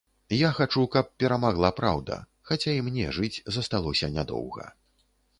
Я хачу, каб перамагла праўда, хаця і мне жыць засталося нядоўга.